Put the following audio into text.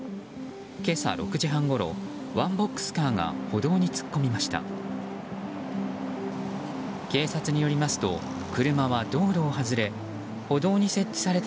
今朝６時半ごろワンボックスカーが歩道に突っ込みました。